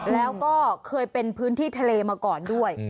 แล้วก็เคยเป็นพื้นที่ทะเลมาก่อนด้วย